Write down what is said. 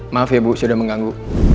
maaf ya bu sudah mengganggu